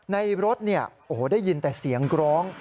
ในรถได้ยินแต่เสียงร้อง